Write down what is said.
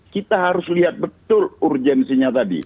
kita harus lihat betul urgensinya tadi